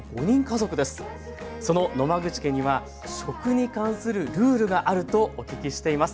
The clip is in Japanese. その野間口家には食に関するルールがあるとお聞きしています。